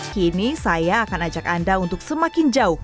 kini saya akan ajak anda untuk semakin jauh